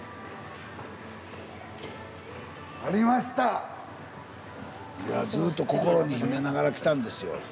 スタジオいやずっと心に秘めながら来たんですよ。